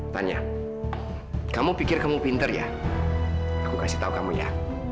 tanya kamu pikir kamu pinter ya aku kasih tahu kamu ya